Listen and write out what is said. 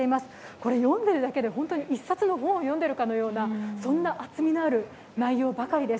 これ読んでいるだけで本当に一冊の本を読んでいるかのような厚みのあるものばかりです。